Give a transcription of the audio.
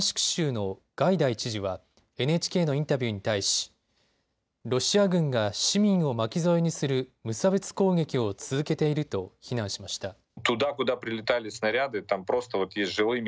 州のガイダイ知事はＮＨＫのインタビューに対し、ロシア軍が市民を巻き添えにする無差別攻撃を続けていると非難しました。